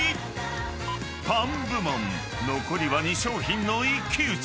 ［パン部門残りは２商品の一騎打ち！］